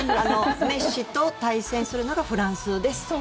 メッシと対戦するのがフランスです。